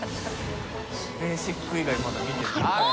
ベーシック以外まだ見てない。